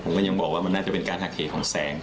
ผมก็ยังบอกว่ามันน่าจะเป็นการหักเหของแสง